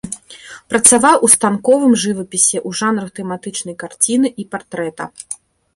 Працаваў у станковым жывапісе ў жанрах тэматычнай карціны і партрэта.